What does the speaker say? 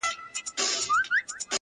عمر ! هم ! بيړۀ ! روان داسې و